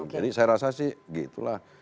jadi saya rasa sih gitu lah